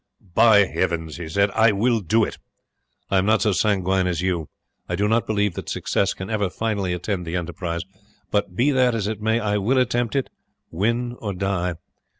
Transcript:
"By heavens," he said, "I will do it! I am not so sanguine as you, I do not believe that success can ever finally attend the enterprise, but, be that as it may, I will attempt it, win or die.